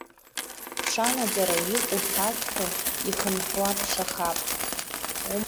Ԥша наӡара иҟоу сазҳәо, ихынҳәуа ԥшахап.